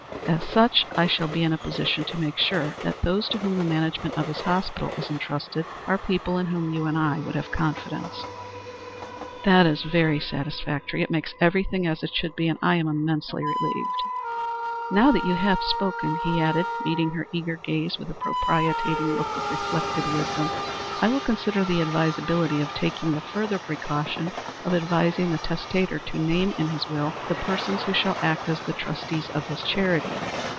As such I shall be in a position to make sure that those to whom the management of his hospital is intrusted are people in whom you and I would have confidence." "Ah! That is very satisfactory. It makes everything as it should be, and I am immensely relieved." "Now that you have spoken," he added, meeting her eager gaze with a propitiating look of reflective wisdom, "I will consider the advisability of taking the further precaution of advising the testator to name in his will the persons who shall act as the trustees of his charity.